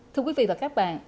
thưa quý vị và các bạn